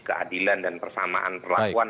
keadilan dan persamaan perlakuan